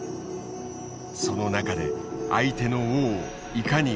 その中で相手の王をいかに追い詰めるか。